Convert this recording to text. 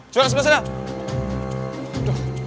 jualan sebelah sana